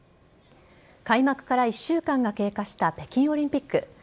開幕から１週間が経過した北京オリンピック。